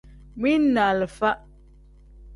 Mili ni alifa.